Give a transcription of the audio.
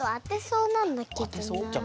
うん。